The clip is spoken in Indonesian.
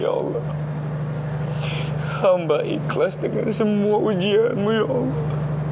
ya allah hamba ikhlas dengan semua ujianmu ya allah